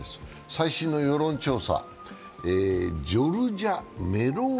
最新の世論調査、ジョルジャ・メロー